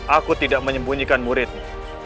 aku tidak menyembunyikan muridmu